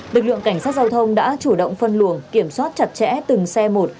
lực lượng cảnh sát giao thông đã chủ động phân luồng kiểm soát chặt chẽ từng xe một